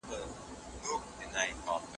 ایا ټولنه بدلېږي؟